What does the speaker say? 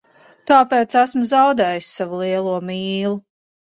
Tāpēc esmu zaudējis savu lielo mīlu.